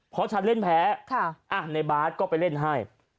เพราะฉันเล่นแพ้ในบาร์ดก็ไปเล่นให้